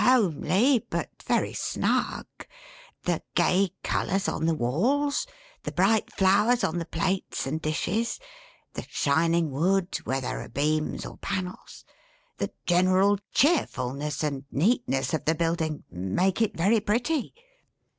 "Homely, but very snug. The gay colors on the walls; the bright flowers on the plates and dishes; the shining wood, where there are beams or panels; the general cheerfulness and neatness of the building; make it very pretty."